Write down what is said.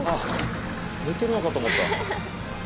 寝てるのかと思った。